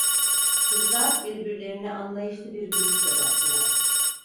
Kızlar birbirlerine anlayışlı bir gülüşle baktılar.